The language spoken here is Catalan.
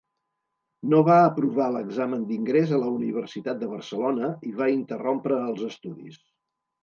No va aprovar l'examen d'ingrés a la Universitat de Barcelona i va interrompre els estudis.